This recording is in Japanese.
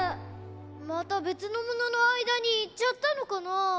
またべつのもののあいだにいっちゃったのかな？